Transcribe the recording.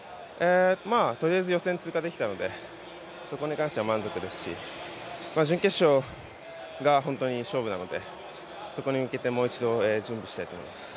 とりあえず予選通過できたのでそこに関しては満足ですし、準決勝が本当に勝負なので、底に向けてもう一度準備したいと思います。